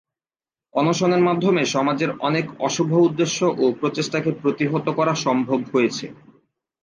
অনশনের মাধ্যমে সমাজের অনেক অশুভ উদ্দেশ্য ও প্রচেষ্টাকে প্রতিহত করা সম্ভব হয়েছে।